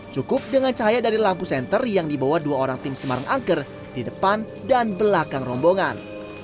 cukup dengan cahaya dari lampu senter yang dibawa dua orang tim semarang angker di depan dan belakang rombongan